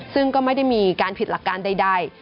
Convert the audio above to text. ซึ่งก็ไม่ได้มีการผิดหลักการใด